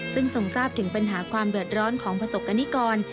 ซึ่งทรงทราบถึงปัญหาความเดือดร้อนของประสบกรณิกร